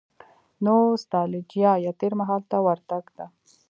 نو ستالجیا یا تېر مهال ته ورتګ ده.